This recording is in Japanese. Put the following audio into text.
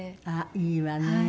あっいいわね。